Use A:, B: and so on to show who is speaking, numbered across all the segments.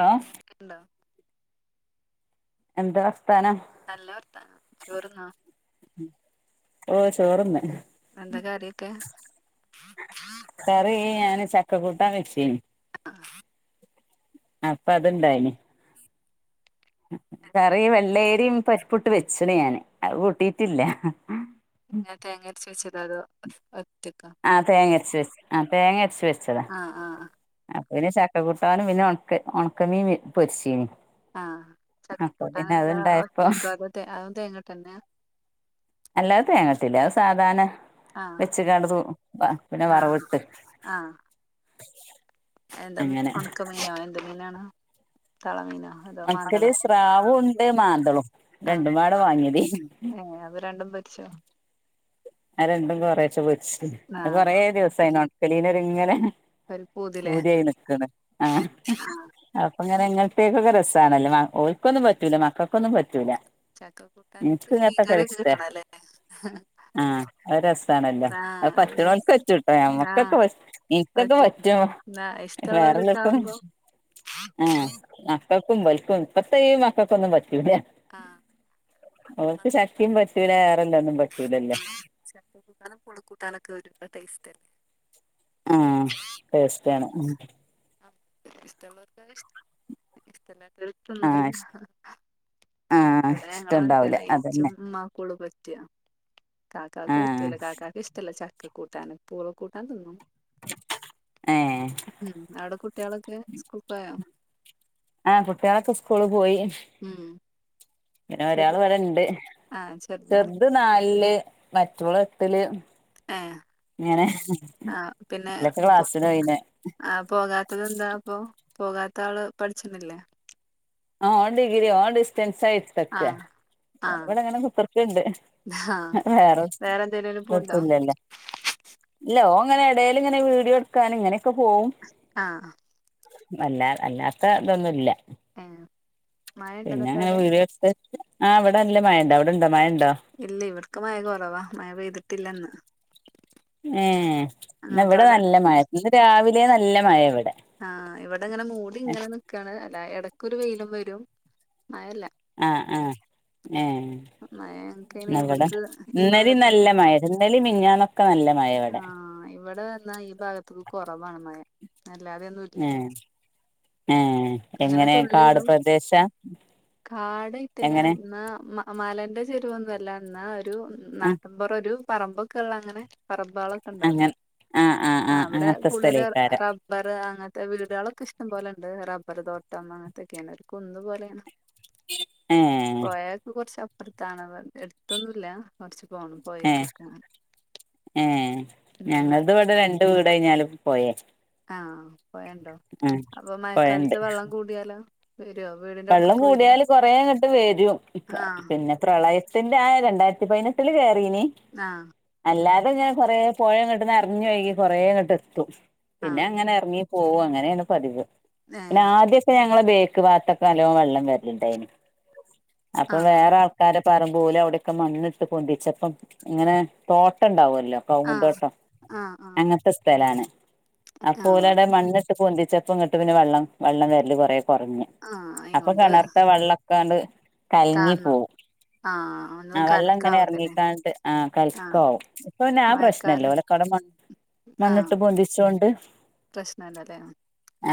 A: ആ
B: ഹലോ ണ്ടോ
A: എന്താ വർത്താനം
B: നല്ല വർത്താനം ചോറ്ന്നോ
A: ഓ ചോറ്ന്ന്
B: എന്താകാറിഒക്കെ
A: കറി ഞാന് ചക്ക കൂട്ടാൻ വെച്ചിനീ
B: ആ
A: അപ്പ അത്ണ്ടായിന് കറി വെള്ളെരീം പരിപ്പുട്ട് വെച്ച്ണ് ഞാന് അത് കൂട്ടീട്ടില്ല ആ
B: ഇങ്ങെ തേങ്ങ അരച്ച് വെച്ചത് അതോ അ
A: ആ തേങ്ങ അരച്ച് വെച്ച് ആ തേങ്ങ അരച്ച് വെച്ച
B: ആ ആ അ
A: പിന്നെ ചക്ക കൂട്ടാനും പിന്നെ ഒണക്ക ഒണക്കമീൻ പൊരിചീനി
B: ആ ചക്ക കൂട്ടാനെന്താ
A: അത്ണ്ടായപ്പോ
B: ഒറ്റക്കോ അത അത് തേങ്ങട്ടന്നെ
A: അല്ലാ അത് തേങ്ങിട്ടില അ സാധാരണ
B: ആഹ്
A: വെച്ച്കാണ്ട് സൂ പ്പ പിന്നെ വറവ്
B: ആഹ്
A: ഇട്ട് [inaudible]
B: ആഹ് എന്താ ഒണക്കമീനോ എന്ത് മീനാണ് തള മീനാ അതോ
A: ഒണക്കല്
B: മാന്തളോ
A: സ്രാവും ഉണ്ട് മാന്തളും
B: ആ
A: രണ്ടുംപാടെ വാങ്ങിയതേനി
B: എ അത് രണ്ടും പൊരിച്ചോ
A: ആ രണ്ടും കൊറേച്ച പൊരിച്ച് അ
B: ആഹ്
A: കൊറേ ദിവസായിന് ഒണക്കലീനൊരുങ്ങനെ
B: ഒരു പൂതിലേ
A: പൂത്യായി നിക്ക്ണ് ആ
B: ആഹ്
A: അപ്പ ഇങ്ങനെ [unintelligible] രസ ണല്ലോ മ ഓൽക്കൊന്നും പറ്റൂല മക്കക്കൊന്നും പറ്റൂല
B: ചക്ക
A: ഇൻക്ക്
B: കൂട്ടാൻക്ക് മീൻകറിയൊക്കെ കിട്ടണല്ലേ അ
A: ആ അ രസാണല്ലോ അ
B: അത്
A: പറ്റ്നോക്ക് പറ്റുട്ടോ നമ്മക്കൊക്കെ പ ഇനിക്കൊക്കെ പറ്റും
B: ന്നാ
A: വേറെല്ലോൽക്കൊന്നും
B: ഇഷ്ടമള്ളോര്ണ്ടാവുമ്പോ
A: ആഹ് ആ മക്കക്കും ഇപൽക്കും ഇപ്പത്തി മക്കക്കൊന്നും പറ്റൂല്ല
B: ആഹ്
A: ഓൽക്ക് ചക്കിം പ [unintelligible] ഒന്നും പറ്റൂല്ലല്ലോ
B: ചക്ക കൂട്ടാനും പൂള കൂട്ടാനൊക്കെ ഒരു ടേസ്റ്റ്ല്ലേ
A: ആ ടേസ്റ്റാണ്
B: ഇഷ്ടല്ലോർക്ക [unintelligible] ഇഷ്ടല്ലാത്തോർ
A: ആഹ്
B: [unintelligible]
A: ആഹ്
B: ഇവിടെ ഞങ്ങള് അങ്ങ്
A: ഇഷ്ടണ്ടാവൂല
B: തന്നെ
A: അതന്നെ
B: ഇച്ചും ഇമ്മക്കൊള്ളൂ പറ്റ കാക്കക്കു
A: ആഹ്
B: ഇഷ്ടല്ല കാക്കാക്ക് ഇഷ്ടല്ല ചക്ക് [unintelligible] കൂട്ടാൻ പൂള കൂട്ടാൻ തിന്നും
A: ഏഹ്
B: ഉം അവിടെ കുട്ടിളൊക്കെ സ്കൂൾ പോയോ
A: ആഹ കുട്ടികളൊക്കെ സ്കൂള് പോയി
B: ഉം
A: പിന്നെ
B: ചെറു
A: ഒരാള് ഇവിടെ ണ്ട്
B: ആ ചെറുതാ
A: ചെറുത് നാലില് മറ്റോള് എട്ടില്
B: ഏ
A: ഇങ്ങനെ
B: ആഹ പിന്നെ
A: ഓലൊക്കെ ക്ലാസ്സിന് പോയിന്
B: ആ പോകാത്തത് എന്താ അപ്പൊ പോകാത്ത ആള് പഠിച്ചിന്നി ല്ലേ
A: ആഹ ഓൻ ഡിഗ്രി ഓൻ ഡി സ്റ്റെൻസായി എടുതക്ക
B: ആ ആ
A: ഇവിടെങ്ങനെ കുത്തർക്ക്ണ്ട്
B: ആ
A: വേറെ
B: എന്തേലും
A: എ
B: പോണ്ടോ
A: എത്തുല്ലല്ലേ ഇല്ലഓങ്ങനെ എടെല് ങ്ങനെ വീടിയോട്ക്കാന് ങ്ങനെയൊക്കെ പോവും
B: ആ
A: അല്ലാ അല്ലാത്ത ഇതൊന്നുല്ല
B: ഏ മഴ ഉണ്ടോ
A: പിന്നെ
B: എന്നിട്ട് അവിടെ
A: ങ്ങനെ വിഡിയോട്ത്ത് ആഇവിടെ നല്ല മഴണ്ട് അവിടെണ്ടോ മഴണ്ടോ
B: ഇല്ലെ ഇവടക്ക് മഴ കുറവാ മഴ പെയ്തിട്ടില്ലന്ന്
A: ഏ ന്നിവിടെ
B: ഞങ്ങക്കവടെ
A: നല്ല മഴ ഇന്ന് രാവിലെ നല്ല മഴ ഇവടെ
B: ആഹ ഇവിടെ ഇങ്ങനെ മൂടി ഇങ്ങനെ നിക്കാണ് അല്ല ഇടക്കൊ ഒരു വെയിലും വരും മഴല്ല
A: ആഹ ആഹ ഏ
B: മഴ ഞങ്ങക്കയ്ന്
A: [unintelligible]
B: ഇവട്ക്ക് ഈ
A: ഇന്നലി
B: ഭാഗത്ത്ക്ക്
A: നല്ല മഴ ഇന്നലി മിഞ്ഞന്നൊക്കെ നല്ല മഴ വെടെ
B: ഇവിടെ വന്നാ ഈ ഭാഗത്തക്ക് കുറവാണ് മഴ അല്ലാതെയൊന്നുംല്ല
A: ഏഹ് ഏഹ്
B: ങ്ങനെ
A: എങ്ങനെ കാട്
B: തുള്ളിടും
A: പ്രദേശ
B: കാടയിട്ടല്ല
A: എങ്ങനെ
B: എന്നാ മല ന്റെ ചെരുവൊന്നുല്ല എന്നാ ഒരു
A: ആഹ്
B: നാട്ടൻപുറം ഒരു പറമ്പൊക്കെള്ള അങ്ങനെ പറമ്പോളൊക്കെ
A: അങ്ങനെ
B: ണ്ടാവില്ലേ
A: ആഹ് ആഹ് ആഹ്
B: അവിടെ
A: അങ്ങനത്തെ
B: കൂടുതൽ
A: സ്ഥലേക്കാരം
B: റബ്ബർ അങ്ങനത്തെ [unintelligible] [unintelligible] ളൊക്കെ ഇഷ്ടം പോലെണ്ട് റബർ തോട്ടം അങ്ങനത്തൊക്കെണ് ഒരു കുന്ന്പോലെ പോലെണ്
A: ഏഹ്
B: പോയൊക്കെ കൊറച്ചപ്പുറത്താണ് എടുത്തൊന്നുംല്ല കൊറച്ച് പോണം
A: ഏ
B: പൊഴേക്കൊക്കെ
A: ഏ
B: ഉം
A: ഞങ്ങളത് വിടെ രണ്ട് വീട് കഴിഞ്ഞാലും പോയെ
B: ആഹ പോയ ണ്ടോ അപ്പൊ
A: പൊഴണ്ട്
B: മഴക്കാലത്ത് വെള്ളം കൂട്യാലോ
A: വെള്ളം കൂടിയാല് കൊറേ ഇങ്ങട്ട് വരും
B: ആഹ്
A: പിന്നെ പ്രളയ ത്തിന്റെ ആ രണ്ടായിരത്തി പതിനെട്ടില് കേയറീ നിം
B: ആഹ്
A: അല്ലാ [unintelligible] കൊറേ പോഴ ഇങ്ങട്ട് നെറഞ്ഞ് ഒഴുകി കൊറേ ഇങ്ങട്ട് എത്തും പിന്നെ
B: ആഹ്
A: അങ്ങനെ എറങ്ങി പോവും അങ്ങനെയാണ് പതിവ് പിന്നെ
B: ഏഹ്
A: ആദ്യൊക്കെ ഞങ്ങളെ ബേക്ക് ബാത്തൊ സ്ഥലവും വെള്ളം വരലു ണ്ടായിന് അപ്പൊ
B: ആഹ്
A: വേറെ ആൾക്കാര പറമ്പ് ഓല് അവിടെക്കെ മണ്ണിട്ട് പൊന്തിച്ചപ്പം ഇങ്ങനെ തോട്ടം ണ്ടാവുല്ലോ [unintelligible]
B: ആഹ്
A: കൗങ്ങുതോട്ടം
B: ആഹ്
A: അങ്ങനത്തെ സ്ഥലാണ് ആ
B: ആഹ്
A: പോല്
B: ആഹ്
A: ഒവ്ടെ മണ്ണിട്ട് പൊന്തിച്ചപ്പോ ഇങ്ങട്ട് പിന്നെ വെള്ളം വെള്ളം വെരല് കൊറേ കൊറഞ്ഞ്
B: ആഹ [unintelligible]
A: അപ്പൊ കെണർത്തെ വെള്ളക്കണ്ട് കല്ങ്ങി
B: താന്നോ
A: പോവും
B: ആഹ് ഒന്നും
A: ആ വെള്ളം ഇങ്ങനെ
B: കലക്കാവൂലല്ലേ
A: ഇറങ്ങിക്കാണ്ട് ആ കല
B: ആഹ്
A: ക്കാവും ഇപ്പൊന്നെ ആ
B: മഴക്കാലം
A: പ്രശ്നല്ലഓട [unintelligible]
B: ആഹ്
A: മണിട്ട് പൊന്തിച്ചോണ്ട്
B: പ്രശ്നല്ലല്ലേ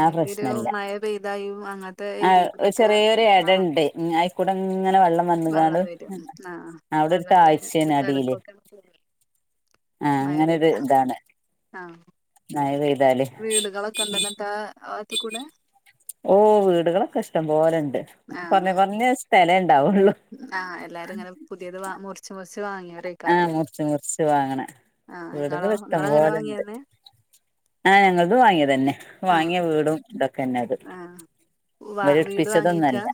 A: ആ
B: ഒരു
A: പ്രശ്നല്ല
B: മഴ പെയ്തായും അങ്ങത്തെ
A: ആ ചെറിയൊരു ഇടണ്ട് ഞാ ആയിക്കൂടെ ങ്ങനെ വെള്ളം വന്ന് കാണ്ട്
B: വെള്ളം വരും ആഹ്
A: ഔടെരു
B: വെള്ളത്തിന്
A: താഴ്ചേണ്
B: ഒരു
A: അടീല്
B: കലക്കൊക്കെ
A: ആഹ അങ്ങനെ ഒരു ഇതാണ്
B: ആഹ
A: മഴ പെയ്താല്
B: വീടുകളൊക്കെ ണ്ടന്ന്ട്ടാ ആ വാത്ത് കൂടെ
A: ഓ വീടുകളൊക്കെഷ്ടംപോലെ ണ്ട് കൊറഞ്ഞ
B: ആഹ്
A: കൊറഞ്ഞ സ്ഥലെ
B: ആഹ് എല്ലാരും ഇങ്ങനെ പുതിയത് വാ മുറിച്ച് മുറിച്ച് വാങ്ങിയവർ ആയികാരം ല്ലേ
A: വാങ്ങണ വീടുകള് ഇഷ്ടം പോലെണ്ട്
B: വാങ്ങിയന്നെ
A: ആഹ ങ്ങളത് വാങ്ങിയത് തന്നെ
B: ആഹ്
A: വാങ്ങിയ വീടും ഇതൊക്കെ തന്നെ അത്
B: ആഹ് വാ
A: ഇവര്
B: വീട് വാങ്ങിക്ക
A: ഇട്പ്പിച്ചതൊന്നല്ല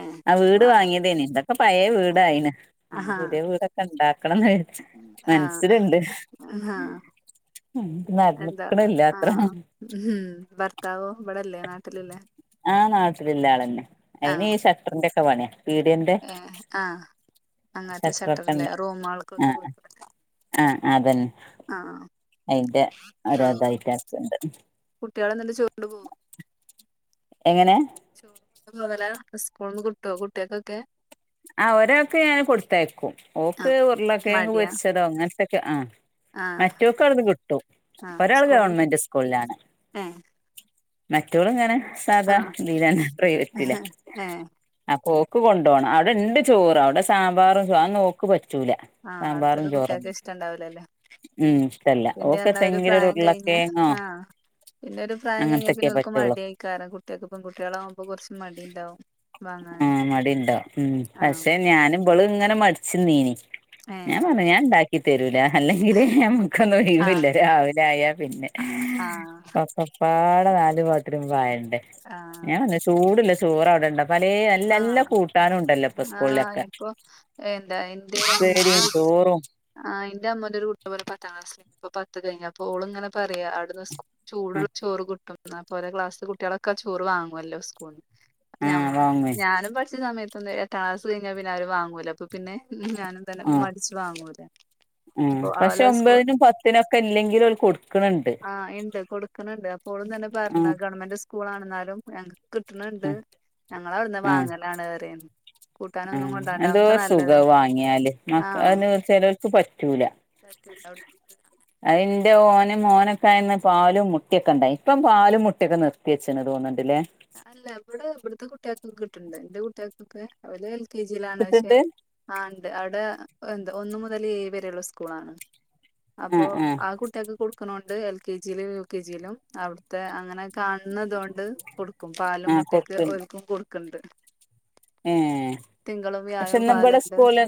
B: ഏഹ്
A: ആ വീട്
B: വാ
A: വാങ്ങിയതേനി ഇതൊക്കെ പഴയ വീടായിന്
B: ആഹാ
A: പുതിയ വീടൊക്കെ ക്കണം ന്ന്
B: ആഹ്
A: മനസ്സിലിണ്ട്
B: ആഹാ എന്താ ആ ഉം ഭർത്താവോ ഇവിടെല്ലേ നാട്ടിലില്ലേ
A: ആ നാട്ടിലില്ല ആളന്നെ അയിന് ഈ ഷട്ടറിന്റെ ക്കെ പണിയ
B: ഏ ആ അങ്ങനത്തെ
A: ഷട്ടറൊക്കെ
B: ഷട്ടറ്ല്ലേ
A: ഇണ്ട ആ
B: റൂമൾക്കൊക്കെ കൊട്
A: ആ അതന്നെ
B: ആ
A: അയിന്റെ
B: ആ
A: ഓരോതായിട്ടക്കണ്ട്
B: കുട്ടിള് ഇന്ന്ണ്ട് ചോറ്ണ്ടവോ
A: എങ്ങനെ
B: ല സ്കൂൾന്ന് കിട്ടോ കുട്ട്യൾക്കൊക്കെ
A: ആ ഒരാക്ക് ഞാൻ കൊടുത്തയക്കും
B: ആ
A: ഓക്ക് ഉറുളക്കേങ്ങ്
B: മടിയാ
A: പൊരിച്ചതോ അങ്ങനത്തൊക്കെ ആ
B: ആഹ്
A: മറ്റോക്ക് അവ്ട്ന്ന് കിട്ടും
B: ആഹ്
A: ഒരാൾ
B: സ്കൂൾന്ന്
A: ഗവൺമെന്റ് സ്കൂളിലാണ്
B: ഏ
A: മറ്റോള് ഇങ്ങന സാധാ
B: ആഹ്
A: ഇതില പ്രൈവറ്റില
B: ഏ
A: ഓക്ക് കൊണ്ടോണം അവിടെണ്ട് ചോറ് അവിടെ സാമ്പാറും ചോ അതൊന്നോക്ക് പറ്റു റ്റൂല
B: ആഹ്
A: സാമ്പാറും
B: അടുത്തത്
A: ചോറും
B: കുട്ടികൾക്ക് ഇഷ്ടണ്ടാവൂലല്ലേ
A: ഉം ഇഷ്ടല്ല ഓക്ക് ന്തെങ്ങലൊരു ഉർള
B: ആ പിന്നെ ഒരു പ്രായം കഴിഞ്ഞാ
A: അങ്ങനത്തൊക്കെ
B: പിന്നെ ഒൽക്ക്
A: പറ്റുള്ളൂ
B: മടിയെക്കാരം കുട്ട്യക്ക് പെങ്കുട്ട്യളാവുമ്പോ കുറച്ച് മടി ഇണ്ടാവും
A: ആ മടിണ്ടോ ഉം പക്ഷെ ഞാന് ഇബള് ഇങ്ങനെ മടിച്ച് ന്നെനി
B: ഏ
A: ഞപറഞ്ഞ് ഞാൻണ്ടാക്കി തേരൂല അല്ലെങ്കില് നമ്ക്കൊന്ന്
B: ആഹ്
A: ലീവില്ല രാവിലെ ആയാ പിന്നെ
B: ആഹ്
A: ഒപ്പം പാട നാല് പത്രം പായണ്ടേ
B: ആഹ്
A: ഞാൻ പറഞ്ഞ് ചൂടില്ലേ ചോറ് അവിടെണ്ട് പലെ നല്ലല്ല
B: ആഹ്
A: കൂട്ടാനും ഉണ്ടല്ലോ ഇപ്പൊ
B: ആഹ്
A: സ്കൂളിലൊക്കെ
B: ഇപ്പൊ
A: ഉപ്പേരി ചോ ഓറോ
B: ആ ഇന്റെ അമ്മോന്റെ ഒരു കുട്ടി [unintelligible] പത്താം ക്ലാസ്സ്ല് ഇപ്പ പത്ത് കഴിഞ്ഞ പ്പോള് ങ്ങനെ പറയാ അവിട്ന്ന് ചൂട്ള്ള ചോറ് കിട്ടും ന്നാപ്പോരെ ക്ലാസ്ത്തെ കുട്ട്യാളൊക്കെ ചോറ് വാങൊല്ലോ സ്കൂളിന്ന്
A: ആഹ് വാങ്ങുവേ
B: ഞാനും പഠിച്ച സമയത്ത് ട്ടാ ക്ലാസ്സ് കയിഞ്ഞാൽ പിന്നെ അവര് വാങ്ങൂല അപ്പൊ പിന്നെ ഞാനും തന്നെ മടിച്ച് വാങ്ങൂല
A: [unintelligible] ഉം
B: അപ്പൊ
A: പക്ഷെ
B: അവലെ സ്കൂ
A: ഒമ്പതിനും പത്തിനൊക്കെ ല്ലെങ്കിലും ഓല് കൊടുക്ക്ണ് ണ്ട് ആഹ്
B: ഗവണ്മെന്റ് സ് സ്കൂളാണെന്നാലും ഞങ്ങക്ക് കിട്ട്ണ് ണ്ട്
A: ആഹ്
B: ഞങ്ങളവിട്ന്ന് വാങ്ങലാണ് പറിം
A: ആ എന്തോര് സുഖ അത് വാങ്യാല് മ
B: ആഹ്
A: ചെലോക്ക് പ റ്റൂല
B: പറ്റൂല അവിടുത്തത്
A: അ ന്റെ ഓന് മോനൊക്കായന്ന് പാലും മുട്ടക്കെ ഇണ്ടായിന്ന് ഇപ്പം പാലും മുട്ടയൊക്കെ നിർത്തി വച്ച് തോന്ന്ണ്ട്ല്ലേ
B: അല്ല ഇവിടെ ഇവിട്ത്തെ കുട്ട്യാക്കൊക്കെ കിട്ട്ണ്ട് ന്റെ കുട്ട്യാക്കൊക്കെ ഓലെൽ കെ ജിലാണ് പശേ
A: കിട്ട്ണ്ട്
B: ആ ണ്ട് അവിടെ എന്താ ഒന്ന് മുതല് ഏഴ് വരെള്ള സ്കൂളാണ് അപ്പൊ
A: ആഹ് ആഹ്
B: ആ കുട്ട്യാക്ക് കൊട്ക്ക്ണോ ണ്ട് എൽ കെ ജി ലും യു കെ ജി ലും അവിടുത്തെ അങ്ങനെ കാണ്ണെ തൊണ്ട് കൊട്ക്കും പാലും
A: ആഹ്
B: മുട്ടക്കെ ഓൽക്കും കൊട്ക്ക്ണ്ട്
A: എ പക്ഷെ
B: വ്യാഴവും
A: ഇന്നബടെ
B: പാലുണ്ട്
A: സ്കൂൾല്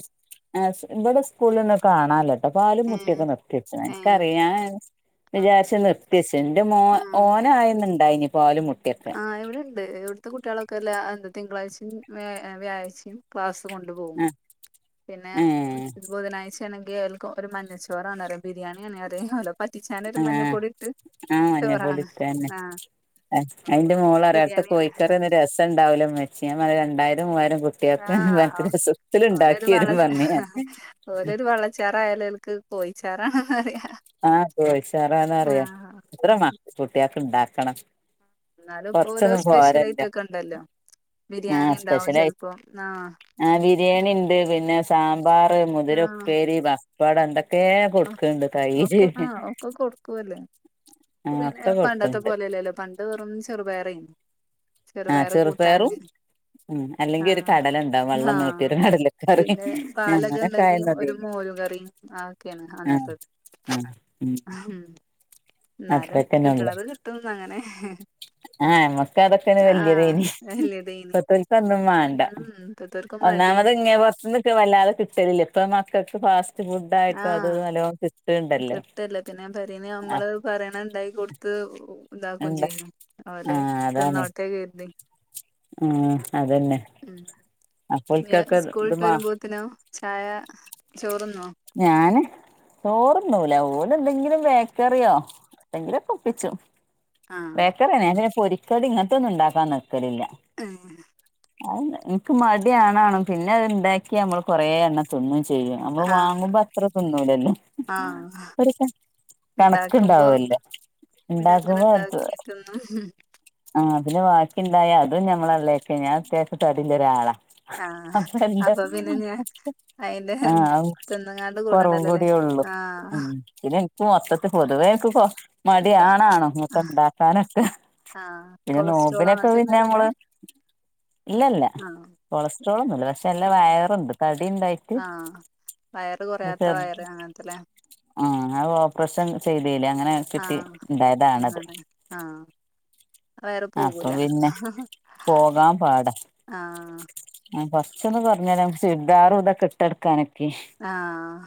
A: ഇബടെ സ്കൂൾല് ന്ന് കാണാല്ല പ്പ പാലും
B: ഏ
A: മുട്ടക്കെ നിർത്തിവെച്ച്
B: ഏ
A: ഇക്കറിയ
B: ആ
A: വിചാരിച്ച നിർത്തിച്ച് ന്റെ മോ
B: ആ
A: ഓനായിന്നിണ്ടായിന്
B: ആ ഇവിടെണ്ട് ഇവിടുത്തെ കുട്ട്യാളൊക്കെല്ല എന്താ തിങ്കളാഴ്ചയും വ വ്യാഴാചയും ക്ലാസ് കൊണ്ട് പോകും പിന്നെ
A: ഏഹ്
B: ബുധനാ ചേനെങ്കില് ഓല്ക്ക് മഞ്ഞച്ചോറാണ് പറിം ബിരിയാണ് പറീം വറ്റിച്ചാനൊരു
A: ആഹ്
B: മഞ്ഞപ്പൊടി ട്ട് ചോറാണ് ആ
A: അതിന്റെ മോൾറിം അവ്ട്ത്തെ കോഴിക്കറൊന്നും രസണ്ടാവുല മെച്ചി ഞാൻ പറിം രണ്ടായിരം മൂവായിരം
B: ആ
A: കുട്ടികൾക്ക് അനക്ക് രസത്തില്
B: ഓലൊരു
A: ഉണ്ടാക്കി തരും
B: വളച
A: പറഞ്ഞ് ഞാൻ
B: ഓലൊരു വള്ളച്ചാറായാലോൽക്ക് കോയിച്ചാറാണന്ന് റിയ
A: ആ കോയിച്ചാറന്നറിയ എത്ര മ കുട്ട്യാക്ക് ണ്ടാക്കണം.
B: എന്നാലും ഇപ്പൊ ഓരോ
A: കൊറച്ചൊന്നും
B: സ്പെഷ്യൽ
A: പോരല്ലോ
B: ഐറ്റൊക്കെ ഉണ്ടല്ലോ
A: ആ
B: ബിരിയാണി ഉണ്ടാവും
A: സ്പെഷ്യലായിട്ട്
B: ചെലപ്പം ആഹ്
A: ആ ബിരിയാണി ണ്ട് പിന്നെ സാമ്പാർ
B: ആഹ്
A: മുതിരപ്പേരി പപ്പടം എന്തൊക്കെ കൊടുക്ക്ണ്ട്.
B: ഒക്കെ ആ ഒക്കെ കൊടുക്കോല്.
A: ആഹ്
B: പിന്നെ
A: ഒക്കെ
B: പണ്ടത്തെ
A: കൊടുക്കണ്ട്
B: പോലെല്ലല്ലോ പണ്ട് വെറും ചെറുപയറേനി
A: ആ
B: ചെറുപയറ്
A: ചെറുപയറും
B: കൂട്ടാന്
A: ഉ അല്ലെങ്കി ഒരു
B: ആഹ്
A: കടലണ്ടാവും വെള്ളം
B: ആഹ്
A: നീട്ടിയൊരു കടലക്കറി ഞങ്ങളൊക്കായന്നതേനി.
B: രികറി ആക്കെയാണ് അന്നത്തത്
A: ആ ഉം
B: ന്നാലും
A: അത്രക്കന്നെ
B: കിട്ടണത് കിട്ടുംന്നങ്ങനെ
A: ആ ഞമ്മക്കതൊക്കെന്ന് വല്യതെയ്നി
B: വല്യതേനി
A: ഇപ്പത്തോൽക്കതൊന്നും വാണ്ട.
B: ഉം ഇപ്പത്തോർക്ക് മടി
A: ന്നാമത് ഇങ്ങെ പൊറത്ത്ന്നൊക്കെ വല്ലാതെ കിട്ടലില്ലേ ഇപ്പ മക്കക്ക്
B: ആ
A: കിട്ട്ണ്ടല്ലോ
B: കിട്ട ല്ലേ പിന്നെ പെരെന്ന്
A: ആഹ്
B: നമ്മള് പറയണ ത്ണ്ടാക്കി കൊടുത്ത് താക്കും
A: ഇണ്ട്
B: ചെയ്യും അതുപോലെ തിന്നോട്ടേ കരുതി.
A: ഉം അതെന്നെ
B: ഉം ഇഞ്ഞ്
A: അപ്പോൽകൊക്കെ
B: സ്കൂളിട്ട്
A: ഇതുമാ
B: വരുമ്പോത്തിനോ ചായ ചോറുന്നോ
A: ഞാന് തോർന്നൂല ഓ ന്തെങ്കിലും ബേക്കറിയോ എന്തെങ്കിലൊപ്പിച്ചും
B: ആഹ്
A: ബേക്കറിയങ്ങനെ പൊരി കടി ഇങ്ങൻത്തൊന്നും ണ്ടാക്കാൻ നിക്കലില്ല.
B: ആ
A: അ ൻക്ക് മടിയാണണം പിന്നെ അത് ഇണ്ടാക്കിയാ നമ്മള് കൊറെണ്ണം തിന്നും ചെയ്യും. ചെയ്യും നമ്മ
B: ആഹ്
A: വാങ്ങുമ്പോ അത്ര തിന്നൂലല്ലോ?
B: ആഹ് ഇണ്ടാക്കുമ്പോ
A: കണക്കുണ്ടാവല്ലോ
B: പിന്നെ അങ്ങനെ
A: ഉണ്ടാക്കുമ്പോ അ
B: ഇണ്ടാക്കി തിന്നും
A: ആ അതിന് വാക്കിണ്ടായ അതും നമ്മളല്ലക്ക ഞാൻ അത്യാവശ്യം തടി ടിലൊരാളാണ്.
B: ആഹ്
A: അപ്പൊന്താ
B: അപ്പൊ പിന്നെ ഞാൻ അയിന്റെ
A: ആ
B: തിന്നുങ്ങാണ്ട്
A: കൊറവ്
B: കൂടണ്ടല്ലോല്ലേ
A: കൂടിയെ ഉള്ളൂ.
B: ആഹ്
A: ള്ളൂ ഉംഎനിക്ക് മൊത്തത്ത് പൊതുവേക്ക് മടിയാണെണും ണ്ടാക്കാനൊക്കെ
B: ആഹ കൊളസ്ട്രോൾ അങ്ങനത്തെ ഒന്നുല്ലല്ലോ
A: നമ്മള് ഇല്ല ഇല്ല കൊളസ്ട്രോൾ ഒന്നുംല്ല പക്ഷെ നല്ല വയറണ്ട് തടി ഉണ്ടായിട്ട്
B: ആഹ വയറ് കുറയാത്ത
A: ചെറു
B: വയറ് അങ്ങനത്തല്ലേ
A: ആ അത് ഓപ്പറേഷൻ ചെയ്തല്ലേ അങ്ങനെ കിട്ടി ഉണ്ടായതാണത്.
B: ആഹ
A: അപ്പൊ പിന്നെ പോകാൻ പാട
B: ആഹ്
A: ച്ചെന്ന് പറഞ്ഞാ നമുക്ക് ചുരിദാറും ഇതെക്കെ ഇട്ടെടുക്കാനൊക്കെ
B: ആഹ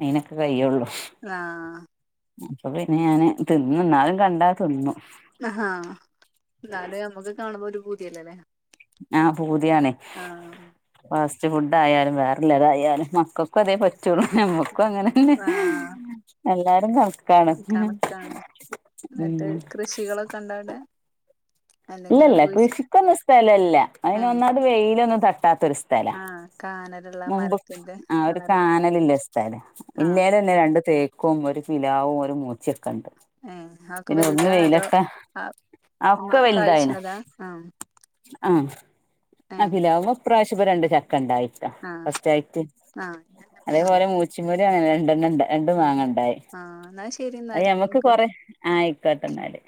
A: അയിനൊക്കെ കയ്യുള്ളൂ.
B: ആഹ
A: അപ്പൊ പിന്നെ ഞാന് തിന്നുംന്നാലും കണ്ടാ തിന്നും.
B: ഹാ എന്നാലും നമ്മുക്ക് കാണുമ്പോ ഒരു പൂതിയല്ലേ അല്ലേ
A: ആഹ് പൂതിയാണ്. ഫ കു ഫുഡ്ഡായാലും വേറെല്ലതായാലും മക്കൾക്കും അതേ പ റ്റുള്ളു നമ്മുക്കും അങ്ങനന്നെ
B: ആഹ്
A: എല്ലാരും കണ്
B: കണക്കാണ് ന്നട്ട്
A: ഉം
B: കൃഷികളൊക്കെ ഉണ്ടാവടെ
A: ഇല്ലില്ല കൃഷിക്കൊന്ന് സ്ഥലല്ല
B: ഏഹ്
A: അതിനൊന്നാത് വെയിലൊന്നും തട്ടാത്തരു സ്ഥലാ
B: ആഹ് കാനലുള്ള
A: മുമ്പ്
B: മരത്തിന്റെ
A: ആ ഒരു
B: തണലൊക്കെ
A: കാനല്‌ല്ലാസ്ല്
B: ആഹ്
A: ഇല്ലാല തന്നെ രണ്ട് തേക്ക് ക്കും ഒരു പിലാവും ഒരു മൂച്ചക്ക ണ്ട്
B: ഏഹ് അതൊക്കെ
A: പിന്നെ ഒന്ന്
B: വലുതാ അതോ
A: വെയിലൊക്കെ ഒക്കെ വല്
B: അതാ ആഹ
A: ആ അ പിലാവുമ്മെ ഈ പ്രാവശ്യം രണ്ട് ച ക്കണ്ടായിട്ട
B: ആഹ്
A: ഫസ്റ്റ് ആയിട്ട്
B: ആഹ്
A: അതേപോലെ മൂച്ചിമര അങ്ങന രണ്ടെണ്ണം ഉണ്ട രണ്ടു മാങ്ങണ്ടായി
B: ആഹ് എന്നാ ശരി
A: അത് ഞമക്ക്
B: എന്നാല്
A: കൊറെ ആയിക്കോട്ടന്നല്